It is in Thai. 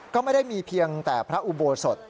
ก็ไม่ได้มีเพียงแต่พระอุโบสถ